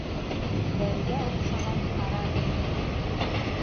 Тәрегә оҡшаған ҡара миң...